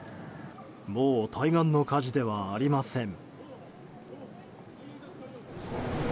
もう対岸の火事ではありません。